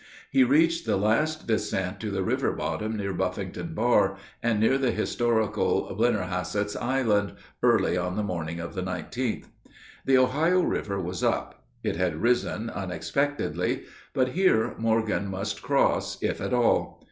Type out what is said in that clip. He reached the last descent to the river bottom near Buffington Bar, and near the historical Blennerhasset's Island, early on the morning of the 19th. The Ohio River was up. It had risen unexpectedly. But here Morgan must cross, if at all.